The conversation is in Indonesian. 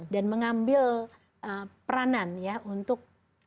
dan mengambil peranan ya untuk